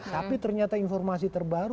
tapi ternyata informasi terbaru